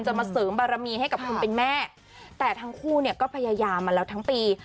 มาเสริมบารมีให้กับคนเป็นแม่แต่ทั้งคู่เนี่ยก็พยายามมาแล้วทั้งปี